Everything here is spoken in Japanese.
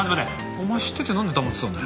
お前知っててなんで黙ってたんだよ。